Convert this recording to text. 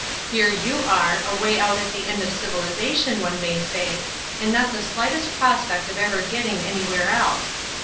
Here you are, away out at the end of civilization one may say, and not the shghtest prospect of ever getting any where else.